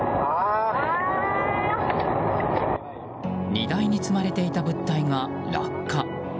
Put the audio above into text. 荷台に積まれていた物体が落下。